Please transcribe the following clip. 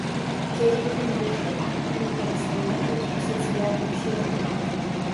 Яе крык душы актыўна перастаўляюць у сацыяльных сетках.